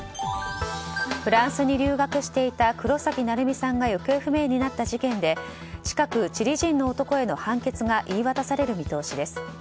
フランスに留学していた黒崎愛海さんが行方不明になった事件で近く、チリ人の男への判決が言い渡される見通しです。